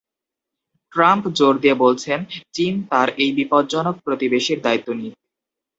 Trump জোর দিয়ে বলছেন, চীন তার এই বিপজ্জনক প্রতিবেশীর দায়িত্ব নিক।